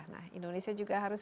nah indonesia juga harus